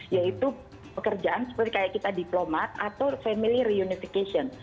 yaitu pekerjaan seperti kayak kita diplomat atau family reunification